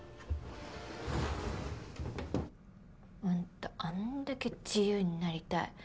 あんたあんだけ「自由になりたい！」